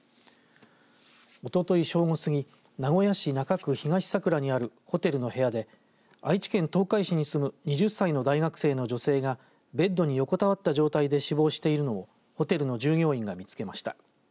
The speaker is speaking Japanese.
おととい正午過ぎ名古屋市中区東桜にあるホテルの部屋で愛知県東海市に住む２０歳の大学生の女性がベッドに横たわった状態で死亡しているのをホテルの従業員が見つけました。